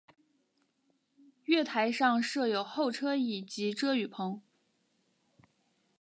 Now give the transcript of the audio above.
月台上设有候车椅及遮雨棚。